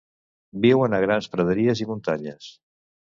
Viuen a grans praderies i muntanyes.